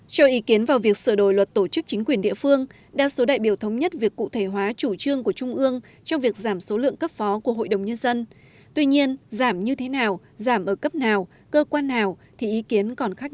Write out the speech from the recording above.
cho ý kiến vào việc sửa đổi luật tổ chức chính quyền địa phương đa số đại biểu thống nhất việc cụ thể hóa chủ trương của trung ương trong việc giảm số lượng cấp phó của hội đồng nhân dân